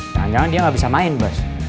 jangan jangan dia gak bisa main bas